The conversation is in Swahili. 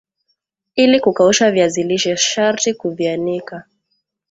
ili kukausha viazi lishe sharti kuvianika